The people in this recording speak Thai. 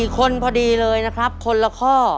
๔คนพอดีเลยนะครับคนละข้อ